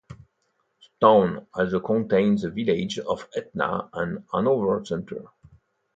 The town also contains the villages of Etna and Hanover Center.